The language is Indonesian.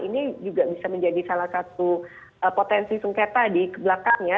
ini juga bisa menjadi salah satu potensi sengketa di belakangnya